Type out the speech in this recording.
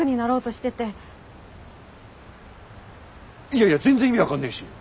いやいや全然意味分かんねえし。